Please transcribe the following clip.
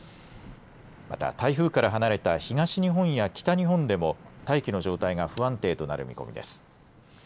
また台風から離れた東日本や北日本でも大気の状態が不安定となる見込みです。